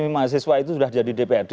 mahasiswa itu sudah jadi dprd